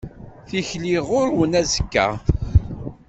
Tikli ɣur-wen azekka.